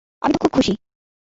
আমি তো খুব খুশি।